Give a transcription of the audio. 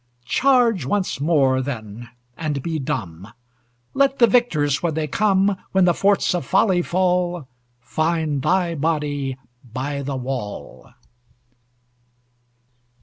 Charge once more, then, and be dumb! Let the victors, when they come, When the forts of folly fall, Find thy body by the wall!